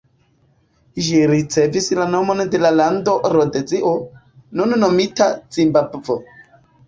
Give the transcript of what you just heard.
Ĝi ricevis la nomon de la lando Rodezio, nun nomita Zimbabvo.